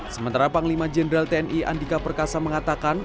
sementara panglima jenderal tni andika perkasa mengatakan